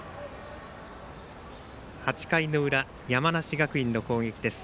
８回の裏、山梨学院の攻撃です。